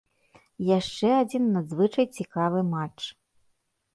Яшчэ адзін надзвычай цікавы матч.